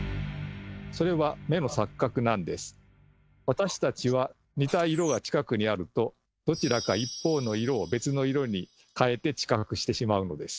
それは私たちは似た色が近くにあるとどちらか一方の色を別の色に変えて知覚してしまうのです。